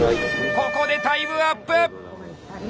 ここでタイムアップ！